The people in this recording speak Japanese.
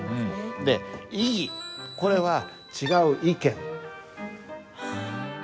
で「異議」これは「違う意見」。